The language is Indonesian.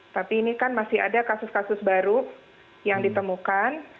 tapi ini kan masih ada kasus kasus baru yang ditemukan